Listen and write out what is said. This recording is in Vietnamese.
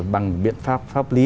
bằng biện pháp pháp lý